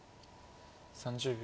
３０秒。